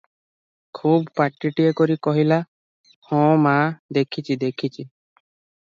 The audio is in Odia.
ଖୁବ୍ ପାଟିଟାଏ କରି କହିଲା,"ହଁ ମା, ଦେଖିଛି, ଦେଖିଛି ।"